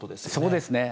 そこですね。